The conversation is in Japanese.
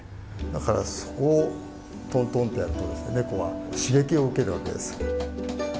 だからそこをトントンってやるとですねネコは刺激を受けるわけです。